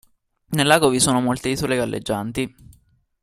Nel lago vi sono molte isole galleggianti.